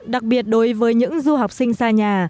đặc biệt đối với những du học sinh xa nhà